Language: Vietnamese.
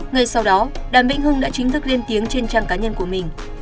ngay sau đó đàm vĩnh hưng đã chính thức lên tiếng trên trang cá nhân của mình